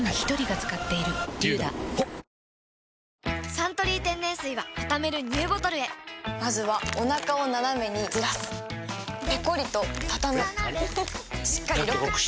「サントリー天然水」はたためるＮＥＷボトルへまずはおなかをナナメにずらすペコリ！とたたむしっかりロック！